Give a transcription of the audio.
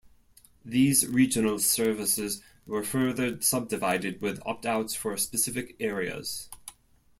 These regional services were further subdivided with opt-outs for specific areas.